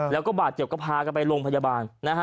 แล้วก็บาดเจ็บก็พากันไปโรงพยาบาลนะฮะ